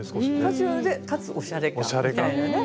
カジュアルでかつおしゃれ感みたいなね。